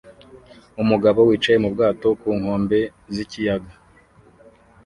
Umugabo wicaye mu bwato ku nkombe z'ikiyaga